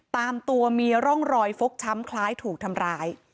ตามตัวมีร่องรอยฟกช้ำคล้ายถูกทำร้าย